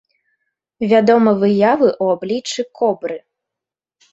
Вядомы выявы ў абліччы кобры.